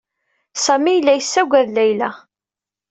Samy yella yessaggad Layla.